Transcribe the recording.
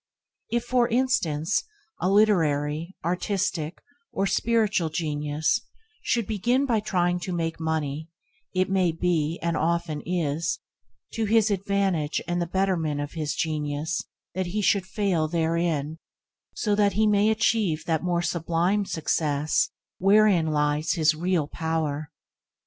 If, for instance, a literary, artistic, or spiritual genius should begin by trying to make money, it may be, and often is, to his advantage and the betterment of his genius that he should fail therein, so that he may achieve that more sublime success wherein lies his real power.